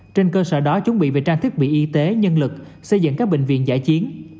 trên cơ sở đó chuẩn bị về trang thiết bị y tế nhân lực xây dựng các bệnh viện giải chiến